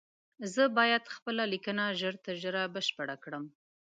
زه بايد خپله ليکنه ژر تر ژره بشپړه کړم